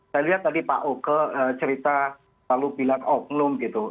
saya lihat tadi pak oke cerita lalu bilang oknum gitu